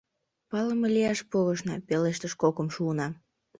— Палыме лияш пурышна, — пелештыш кокымшо уна.